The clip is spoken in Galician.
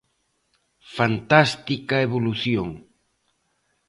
Fantástica evolución.